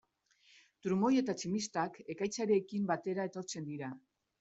Trumoi eta tximistak ekaitzarekin batera etortzen dira.